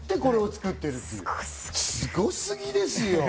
すごすぎですよ。